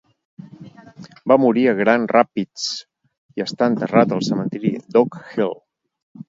Va morir a Grand Rapids i està enterrat al cementiri d'Oak Hill.